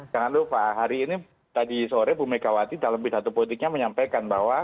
jangan lupa hari ini tadi sore bu megawati dalam pisatu politiknya menyampaikan bahwa